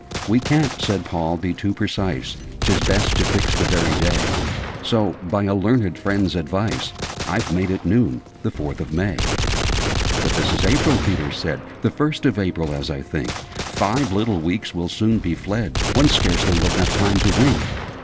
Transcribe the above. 'We ca'n't,' said Paul, 'be too precise: 'Tis best to fix the very day: So, by a learned friend's advice, I've made it Noon, the Fourth of May. {Image...'How cheefully the bond he signed!'} But this is April! Peter said. 'The First of April, as I think. Five little weeks will soon be fled: One scarcely will have time to wink!